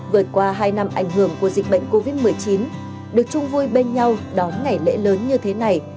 vượt qua hai năm ảnh hưởng của dịch bệnh covid một mươi chín được chung vui bên nhau đón ngày lễ lớn như thế này